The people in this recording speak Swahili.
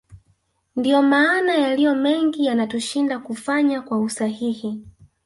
Ndio maana yaliyomengi yanatushinda kufanya kwa usahihi